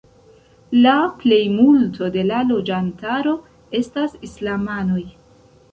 La plejmulto de la loĝantaro estas islamanoj.